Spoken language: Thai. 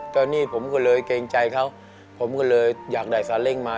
ก็นี่ผมก็เลยเกรงใจเขาผมก็เลยอยากได้สาเร่งมา